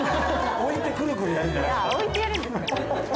置いてやるんです。